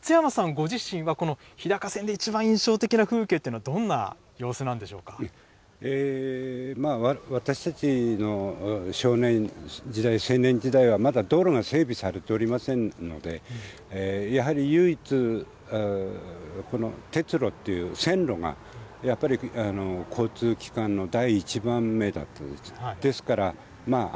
ご自身は、この日高線でいちばん印象的な風景というのはどんなものなんでし私たちの少年時代、青年時代はまだ道路が整備されておりませんので、やはり唯一、この鉄路という、線路がやっぱり交通機関の第１番目だったんです。